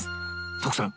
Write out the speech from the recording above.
徳さん